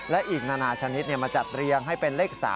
และอีกนานาชนิดมาจัดเรียงให้เป็นเลข๓